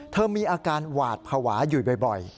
เธอมีอาการหวาดผวาอยู่บ่อย